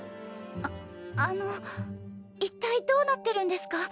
ああの一体どうなってるんですか？